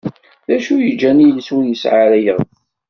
D acu yeǧǧan iles ur yesɛi ara iɣes?